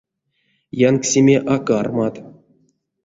Янксеме а кармат.